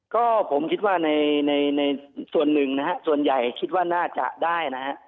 ก็ผมคิดว่าในส่วนหนึ่งนะฮะส่วนใหญ่คิดว่าน่าจะได้นะฮะ